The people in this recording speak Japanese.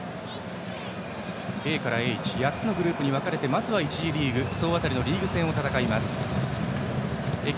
ＡからＨ８つのグループに分かれてまずは１次リーグ総当たりのリーグ戦を戦います。